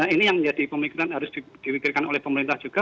ini yang menjadi pemikiran harus dipikirkan oleh pemerintah juga